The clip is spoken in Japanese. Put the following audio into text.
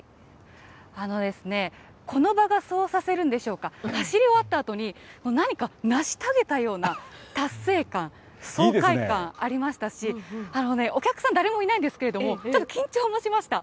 この場がそうさせるんでしょうか、走り終わったあとに、何か成し遂げたような達成感、爽快感ありましたし、お客さん、誰もいないんですけれども、ちょっと緊張もしました。